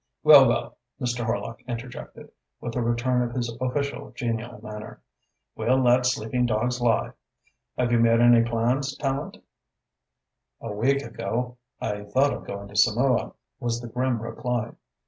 "Well, well," Mr. Horlock interjected, with a return of his official genial manner, "we'll let sleeping dogs lie. Have you made any plans, Tallente?" "A week ago I thought of going to Samoa," was the grim reply.